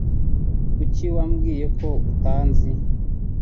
Kuki wabwiye ko utanzi?